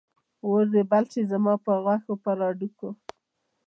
اور دې بل شي زما پر غوښو، پر هډوکو